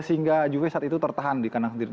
sehingga juve saat itu tertahan di kandang sendiri